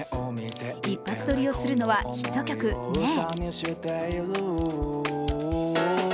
一発撮りをするのはヒット曲「ねぇ」。